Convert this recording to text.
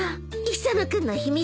磯野君の秘密